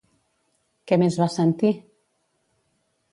Què més va sentir?